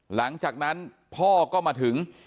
หลังจากนั้นพ่อก็มาถึง